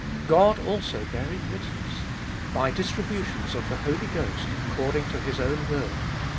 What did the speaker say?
God also bearing witness, by distributions of the Holy Ghost, according to His own will.